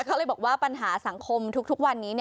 เขาเลยบอกว่าปัญหาสังคมทุกวันนี้